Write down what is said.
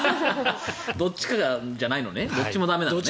どっちかじゃないのねどっちも駄目なのね。